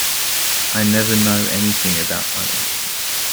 I never know anything about money.